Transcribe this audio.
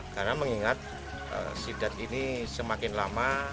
karena mengingat sidat ini semakin lama